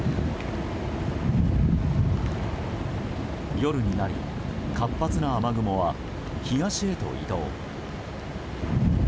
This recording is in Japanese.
夜になり活発な雨雲は東へと移動。